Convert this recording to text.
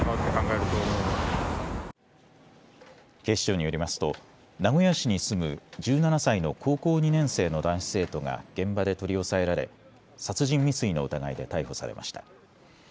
警視庁によりますと名古屋市に住む１７歳の高校２年生の男子生徒が現場で取り押さえられ殺人未遂の疑いで逮捕されました。